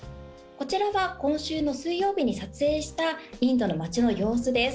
こちらは今週の水曜日に撮影したインドの街の様子です。